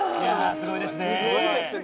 すごいですね。